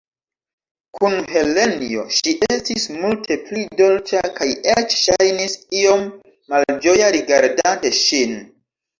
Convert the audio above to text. Kun Helenjo, ŝi estis multe pli dolĉa kaj eĉ ŝajnis iom malĝoja rigardante ŝin.